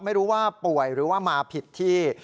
ไม่รู้ว่าป่วยหรือว่ามาผิดที่